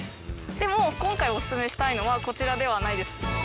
でも今回オススメしたいのはこちらではないです。